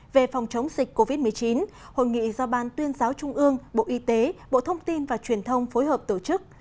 về phòng chống dịch covid một mươi chín hội nghị do ban tuyên giáo trung ương bộ y tế bộ thông tin và truyền thông phối hợp tổ chức